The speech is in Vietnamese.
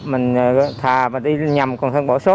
mình thà đi nhầm còn hơn bỏ số